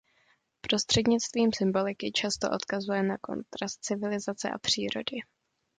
Prostřednictvím symboliky často odkazuje na kontrast civilizace a přírody.